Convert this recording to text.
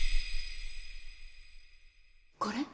これ？